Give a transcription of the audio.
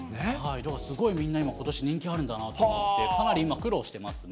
だからすごいみんな、今、ことし人気あるんだなと思って、かなり今、苦労していますね。